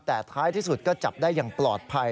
แต่ท้ายที่สุดก็จับได้อย่างปลอดภัย